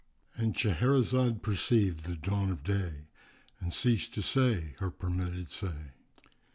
——And Shahrazad perceived the dawn of day and ceased to say her permitted say.